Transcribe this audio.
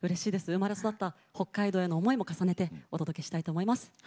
生まれ育った北海道への思いも込めて歌いたいと思います。